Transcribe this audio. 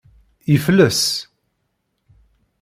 Yefles.